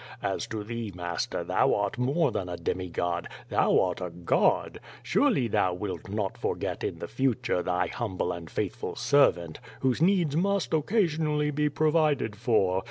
As to thee, master, thou art more than a demigod — thou art a god. Surely thou wilt not forget in the future thy humble and faithful servant, whose needs must occasionally be provided for.